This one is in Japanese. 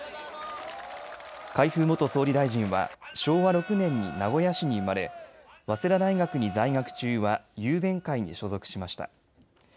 海部元総理大臣は昭和６年に名古屋市に生まれ早稲田大学に在学中は雄弁会に所属しました。